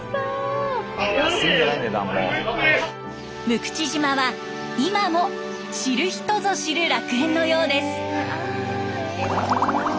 六口島は今も知る人ぞ知る楽園のようです。